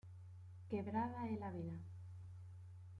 Quebrada El Ávila